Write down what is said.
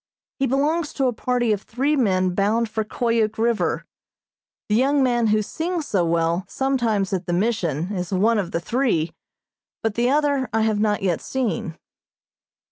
He belongs to a party of three men bound for Koyuk River. The young man who sings so well sometimes at the Mission is one of the three, but the other I have not yet seen.